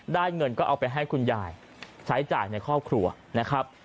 เงินก็เอาไปให้คุณยายใช้จ่ายในครอบครัวนะครับ